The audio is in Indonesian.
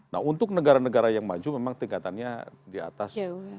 nah untuk negara negara yang maju memang tingkatannya di atas